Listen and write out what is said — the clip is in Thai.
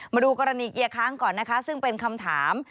มาดูกรณีเกียร์ค้างก่อนนะคะซึ่งเป็นคำถาม